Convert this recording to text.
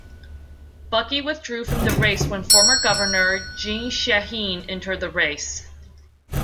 Buckey withdrew from the race when former Governor Jeanne Shaheen entered the race.